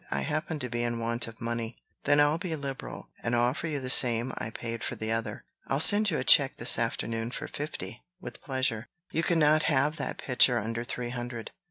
I happen to be in want of money." "Then I'll be liberal, and offer you the same I paid for the other. I'll send you a check this afternoon for fifty with pleasure." "You cannot have that picture under three hundred."